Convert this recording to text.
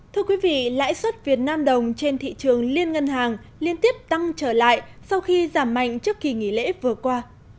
thưa quý vị lãi suất việt nam đồng trên thị trường liên ngân hàng liên tiếp tăng trở lại sau khi giảm mạnh trước kỳ nghỉ lễ vừa qua